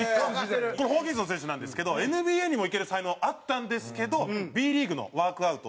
これホーキンソン選手なんですけどＮＢＡにも行ける才能あったんですけどＢリーグのワークアウト練習